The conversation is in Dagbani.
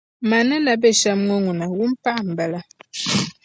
Man' ni na be shɛm ŋɔ ŋuna, wunpaɣili n-bala